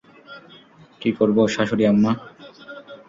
কী করবো শাশুড়ি আম্মা?